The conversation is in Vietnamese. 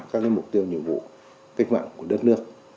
các mục tiêu nhiệm vụ cách mạng của đất nước